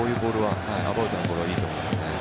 アバウトなボールはいいと思いますね。